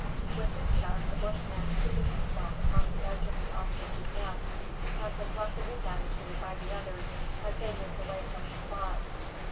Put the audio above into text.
With this gun the Bushman seated himself upon the edge of the ostrich's nest, and was left in this attitude by the others as they moved away from the spot.